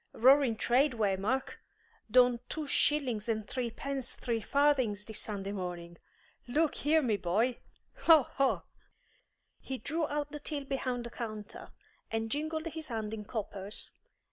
Roaring trade, Waymark! Done two shillings and threepence three farthings this Sunday morning. Look here, me boy, ho, ho!" He drew out the till behind the counter, and jingled his hand in coppers.